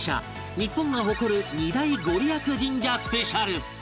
日本が誇る２大ご利益神社スペシャル